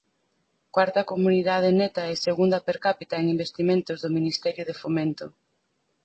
Cuarta comunidade neta e segunda per cápita en investimentos do Ministerio de Fomento.